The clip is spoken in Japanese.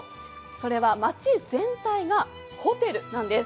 それは町全体がホテルなんです。